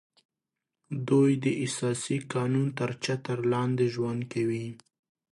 دوی د اساسي قانون تر چتر لاندې ژوند کوي